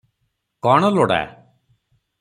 କ’ଣ ଲୋଡ଼ା?